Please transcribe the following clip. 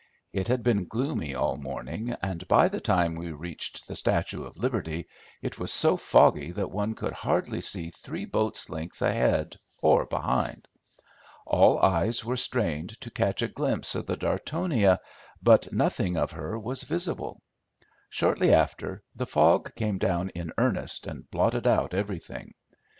It had been gloomy all morning, and by the time we reached the Statue of Liberty it was so foggy that one could hardly see three boats' length ahead or behind. All eyes were strained to catch a glimpse of the Dartonia, but nothing of her was visible. Shortly after, the fog came down in earnest and blotted out everything.